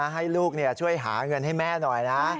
ให้ลูกช่วยหาเงินให้แม่หน่อยนะ